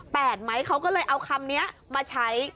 ไหมเขาก็เลยเอาคำนี้มาใช้